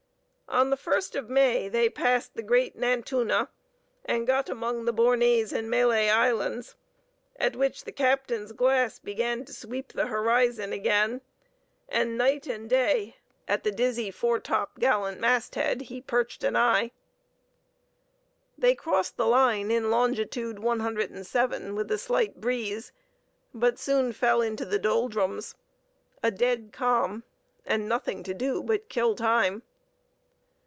On the 1st of May they passed the great Nantuna, and got among the Bornese and Malay Islands: at which the captain's glass began to sweep the horizon again: and night and day at the dizzy foretop gallant masthead he perched an eye. They crossed the line in longitude 107, with a slight breeze, but soon fell into the Doldrums. A dead calm, and nothing to do but kill time....